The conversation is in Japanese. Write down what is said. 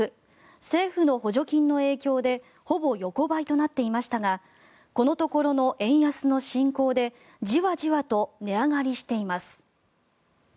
政府の補助金の影響でほぼ横ばいとなっていましたがこのところの円安の進行でじわじわと値上がりしています。